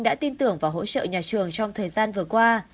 đã tin tưởng và hỗ trợ nhà trường trong thời gian vừa qua